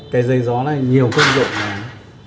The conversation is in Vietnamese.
cái giấy gió này nhiều công dụng đấy ạ